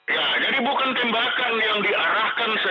ya jadi bukan tembakan yang diarahkan